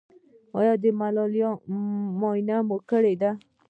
ایا ملاریا مو معاینه کړې ده؟